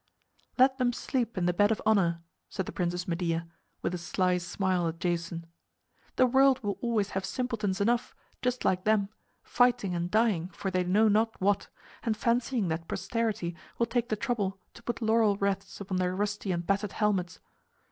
"Let them sleep in the bed of honor," said the Princess Medea, with a sly smile at Jason. "The world will always have simpletons enough, just like them, fighting and dying for they know not what, and fancying that posterity will take the trouble to put laurel wreaths on their rusty and battered helmets.